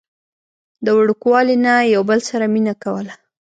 د وړوکوالي نه يو بل سره مينه کوله